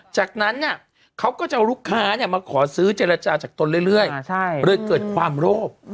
จากนั้นเขาก็จะเอาลูกค้ามาขอซื้อเจรจาจากตนเรื่อยเลยเกิดความโลภ